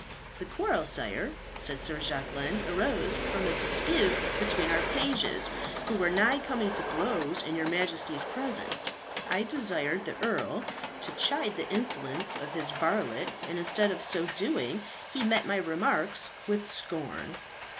"The quarrel, sire," said Sir Jacquelin, "arose from a dispute between our pages, who were nigh coming to blows in your Majesty's presence. I desired the earl to chide the insolence of his varlet, and instead of so doing he met my remarks with scorn."